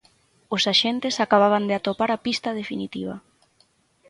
O axentes acababan de atopar a pista definitiva.